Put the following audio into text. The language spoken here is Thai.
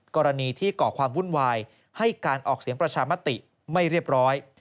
กรณีที่ก่อความวุ่นวายให้การออกเสียงประชามติไม่เรียบร้อย